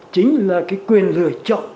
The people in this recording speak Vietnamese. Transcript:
chính là quyền lựa chọn